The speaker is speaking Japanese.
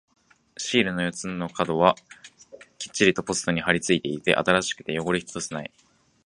シールの四つの角はきっちりとポストに貼り付いていて、新しくて汚れ一つない。